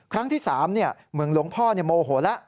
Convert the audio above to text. ครั้งที่๓เหมือนหลวงพ่อโมโหแล้ว